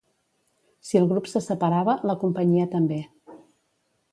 Si el grup se separava, la companyia també.